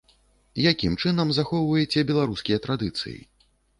Якім чынам захоўваеце беларускія традыцыі?